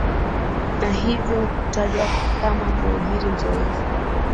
na hivyo kutajwa kama muajiri mzoefu